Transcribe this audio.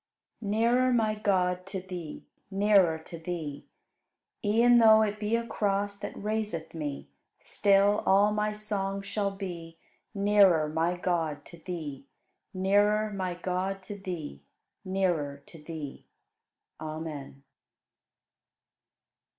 72. Nearer, my God, to Thee, Nearer to Thee! E'en though it be a cross That raiseth me; Still all my song shall be, Nearer, my God, to Thee, Nearer, my God, to Thee, Nearer to Thee. Amen.